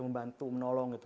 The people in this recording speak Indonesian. membantu menolong gitu